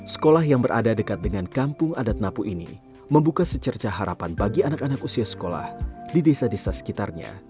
sekolah yang berada dekat dengan kampung adat napu ini membuka secerca harapan bagi anak anak usia sekolah di desa desa sekitarnya